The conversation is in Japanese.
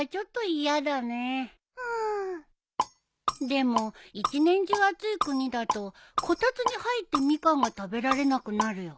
でも一年中暑い国だとこたつに入ってミカンが食べられなくなるよ。